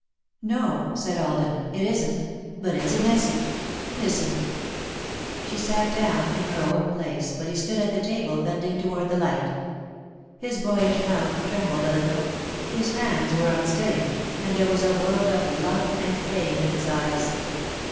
"No," said Alden, "it isn't, but it's a message. Listen." She sat down, in her old place, but he stood at the table, bending toward the light. His boyish mouth trembled a little, his hands were unsteady, and there was a world of love and pain in his eyes.